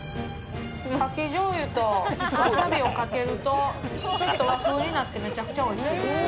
牡蠣じょうゆとわさびをかけるとちょっと和風になってめちゃくちゃおいしいです。